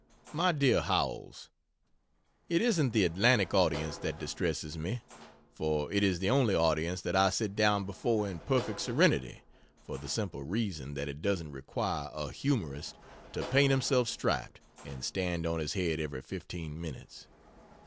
MY DEAR HOWELLS, It isn't the Atlantic audience that distresses me; for it is the only audience that I sit down before in perfect serenity (for the simple reason that it doesn't require a "humorist" to paint himself striped and stand on his head every fifteen minutes.)